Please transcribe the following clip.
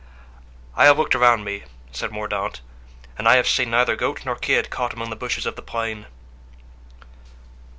"I have looked around me," said Mordaunt, "and I have seen neither goat nor kid caught among the bushes of the plain."